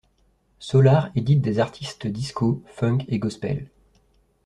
Solar édite des artistes disco, funk et gospel.